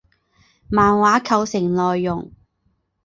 漫画构成内容。